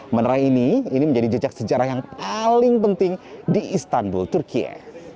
menerai ini menjadi jejak sejarah yang paling penting di istanbul turkiye